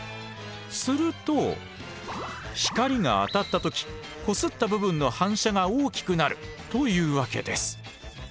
すると光が当たった時こすった部分の反射が大きくなるというわけです。